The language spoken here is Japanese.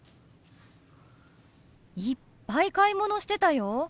いっぱい買い物してたよ。